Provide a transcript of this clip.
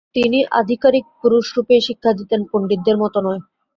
তিনি আধিকারিক পুরুষরূপেই শিক্ষা দিতেন, পণ্ডিতদের মত নয়।